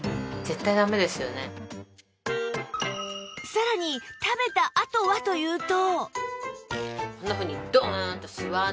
さらに食べたあとはというと